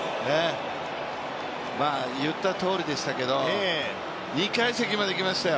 まぁ言ったとおりでしたけど２階席までいきましたよ。